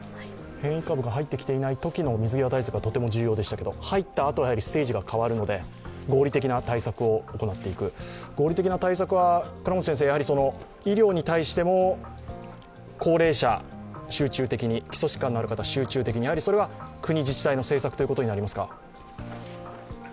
変異株が入ってきていないときの水際対策はとても重要でしたけれども、入ったあとはステージが変わるので合理的な対策を行っていく、合理的な対策は医療に対しても高齢者を集中的に基礎疾患のある方を集中的に、それは国、自治体の政策となりますか？